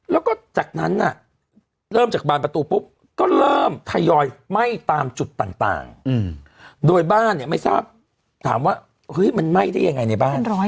แล้วก็จากนั้นน่ะเริ่มจากบานประตูปุ๊บก็เริ่มทยอยไหม้ตามจุดต่างโดยบ้านเนี่ยไม่ทราบถามว่าเฮ้ยมันไหม้ได้ยังไงในบ้าน